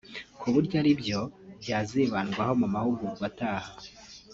ku buryo ari byo byazibandwaho mu mahugurwa ataha